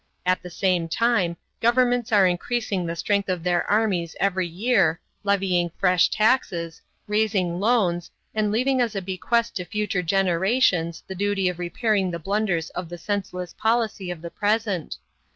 At the same time governments are increasing the strength of their armies every year, levying fresh taxes, raising loans, and leaving as a bequest to future generations the duty of repairing the blunders of the senseless policy of the present.